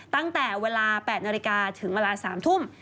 ตั้งแต่เวลา๘นาฬิกาถึงเวลา๓ทุ่ม